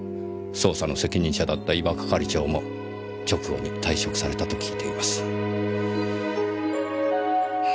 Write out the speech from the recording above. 捜査の責任者だった伊庭係長も直後に退職されたと聞いています。